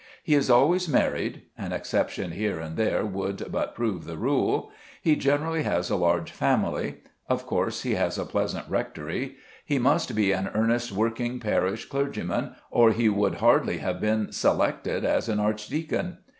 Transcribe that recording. He is always married an exception here or there would but prove the rule he generally has a large family; of course he has a pleasant rectory. He must be an earnest working parish clergyman, or he would hardly have been selected as an archdeacon.